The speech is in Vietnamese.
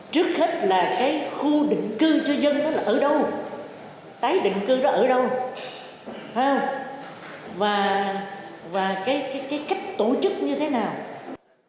trước hết là cái khu định cư cho dân đó là ở đâu tái định cư đó ở đâu và cái cách tổ chức như thế nào